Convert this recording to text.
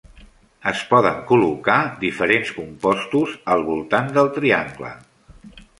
Es poden col·locar diferents compostos al voltant del triangle.